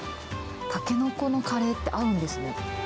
タケノコのカレーって合うんですね。